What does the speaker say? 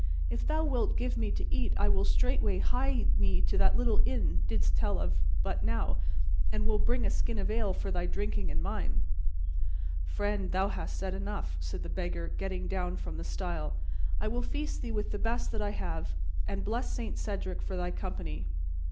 If thou wilt give me to eat, I will straightway hie me to that little inn thou didst tell of but now, and will bring a skin of ale for thy drinking and mine." "Friend, thou hast said enough," said the Beggar, getting down from the stile. "I will feast thee with the best that I have and bless Saint Cedric for thy company.